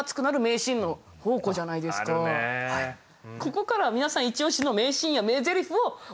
ここからは皆さんイチ推しの名シーンや名ゼリフを教えて下さい。